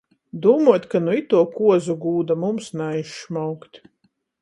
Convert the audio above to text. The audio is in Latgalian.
Dūmuot, ka nu ituo kuozu gūda mums naizšmaukt.